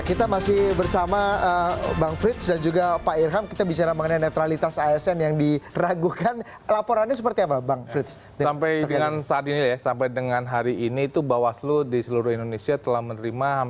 kami akan segera kembali ke segmen berikutnya